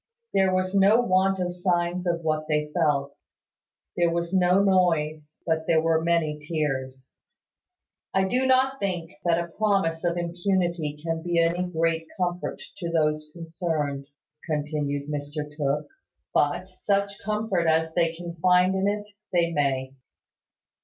There was no want of signs of what they felt. There was no noise; but there were many tears. "I do not think that a promise of impunity can be any great comfort to those concerned," continued Mr Tooke: "but such comfort as they can find in it, they may.